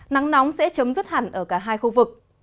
nắng nóng sẽ chấm dứt hẳn ở cả hai khu vực